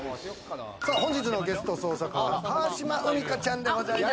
本日のゲスト捜査官は川島海荷ちゃんでございます。